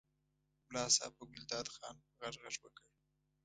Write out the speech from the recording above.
ملا صاحب په ګلداد خان په غږ غږ وکړ.